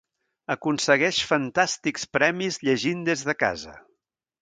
Aconsegueix fantàstics premis llegint des de casa.